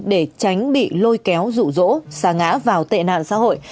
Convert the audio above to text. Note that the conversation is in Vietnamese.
để tránh bị lôi kéo rụ rỗ xa ngã vào tệ nạn xã hội